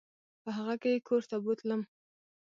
په هغه کې یې کور ته بوتلم.